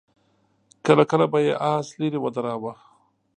کله کله به يې آس ليرې ودراوه.